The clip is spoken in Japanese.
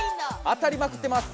当たりまくってます。